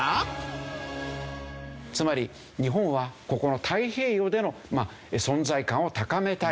つまり日本はここの太平洋での存在感を高めたい。